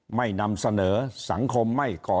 สวัสดีครับท่านผู้ชมครับสวัสดีครับท่านผู้ชมครับ